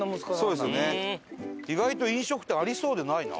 意外と飲食店ありそうでないな。